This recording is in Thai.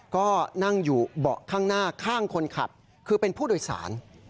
ก็นั่งอยู่เบาะข้างหน้าข้างคนขับคือเป็นผู้โดยสาร